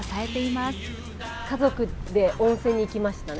家族で温泉に行きましたね。